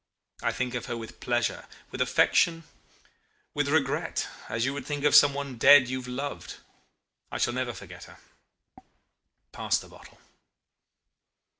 I think of her with pleasure, with affection, with regret as you would think of someone dead you have loved. I shall never forget her.... Pass the bottle.